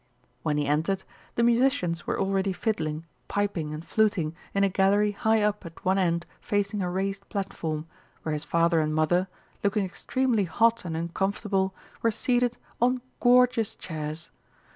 When he entered, the musicians were already fiddling, piping, and fluting in a gallery high up at one end facing a raised platform, where his father and mother, looking extremely hot and uncomfortable, were seated on gorgeous chairs.